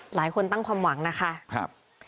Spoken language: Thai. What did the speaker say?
หลายคนตั้งความหวังนะคะครับ